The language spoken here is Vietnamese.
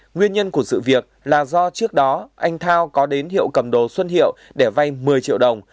nguyên nhân của sự việc là do trước đó anh thao có đến hiệu cầm đồ xuân hiệu để vay một mươi triệu đồng